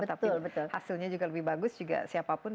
tapi hasilnya juga lebih bagus juga siapapun